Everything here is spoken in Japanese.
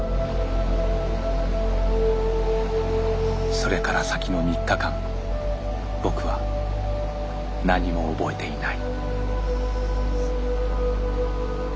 それから先の３日間僕は何も覚えていない。